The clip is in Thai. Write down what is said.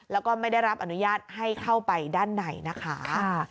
แล้วก็ไม่ได้รับอนุญาตให้เข้าไปด้านในนะคะ